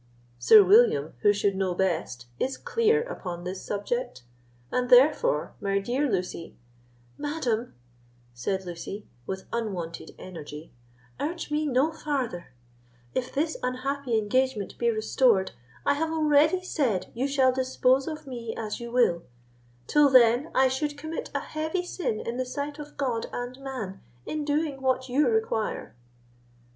Sir William, who should know best, is clear upon this subject; and therefore, my dear Lucy——" "Madam," said Lucy, with unwonted energy, "urge me no farther; if this unhappy engagement be restored, I have already said you shall dispose of me as you will; till then I should commit a heavy sin in the sight of God and man in doing what you require."